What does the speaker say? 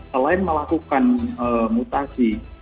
selain melakukan mutasi